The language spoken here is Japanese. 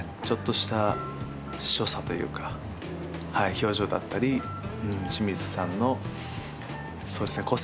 ちょっとした所作というかはい表情だったり清水さんのそうですね